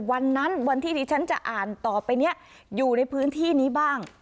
วันนั้นวันที่ที่ฉันจะอ่านต่อไปเนี่ยอยู่ในพื้นที่นี้บ้าง